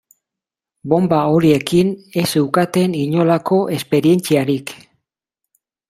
Bonba horiekin ez zeukaten inolako esperientziarik.